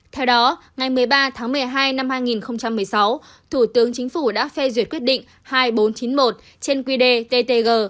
theo đó ngày một mươi ba tháng một mươi hai năm hai nghìn một mươi sáu thủ tướng chính phủ đã phê duyệt quyết định hai nghìn bốn trăm chín mươi một trên quy đề ttg